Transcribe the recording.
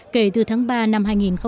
kể từ tháng ba năm hai nghìn chín